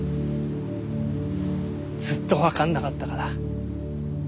ずっと分かんなかったから。